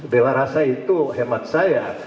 bela rasa itu hemat saya